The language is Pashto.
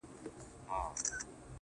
له هماغې لرغونې زمانې